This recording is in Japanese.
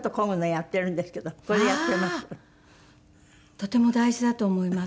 とても大事だと思います。